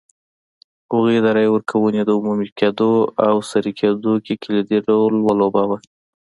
هغوی د رایې ورکونې د عمومي کېدو او سري کېدو کې کلیدي رول ولوباوه.